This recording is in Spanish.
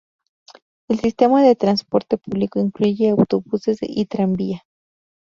El sistema de transporte público incluye autobuses y tranvía.